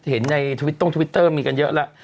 เห็นในทวิตตรงทวิตเตอร์มีกันเยอะแล้ว